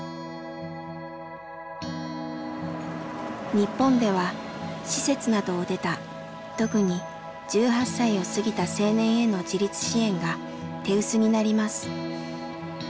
日本では施設などを出た特に１８歳を過ぎた青年への自立支援が手薄になります。